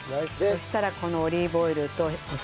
そしたらこのオリーブオイルとお塩入れてください。